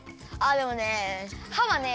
でもね歯はね